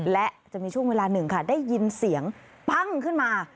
และจะมีช่วงเวลาหนึ่งค่ะได้ยินเสียงปั้งขึ้นมา